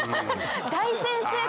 「大先生」と。